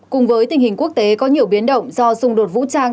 cùng với tình hình quốc tế có nhiều biến động do xung đột vũ trang